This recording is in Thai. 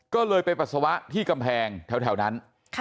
ก็เลยไปปัสสาวะที่กำแพงแถวนั้น